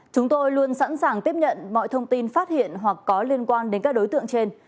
chúng tôi luôn sẵn sàng tiếp nhận mọi thông tin phát hiện hoặc có liên quan đến các đối tượng trên